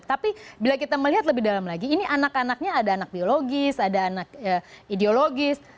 tapi bila kita melihat lebih dalam lagi ini anak anaknya ada anak biologis ada anak ideologis